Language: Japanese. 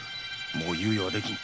もう猶予はできぬ。